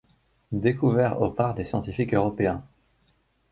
Découvert au par des scientifiques européens.